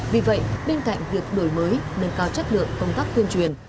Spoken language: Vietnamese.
vì vậy bên cạnh việc đổi mới nâng cao chất lượng công tác tuyên truyền